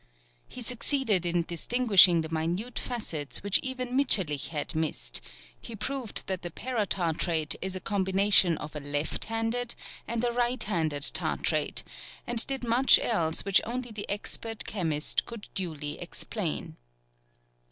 He succeeded in distinguishing the minute facets which even Mitscherlich had missed; he proved that the paratartrate is a combination of a left handed and a right handed tartrate, and did much else which only the expert chemist could duly explain.